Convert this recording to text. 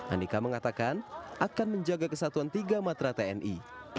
andika mengatakan akan menjaga kesatuan tiga matra tni